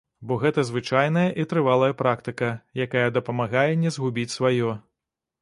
Бо гэта звычайная і трывалая практыка, якая дапамагае не згубіць сваё.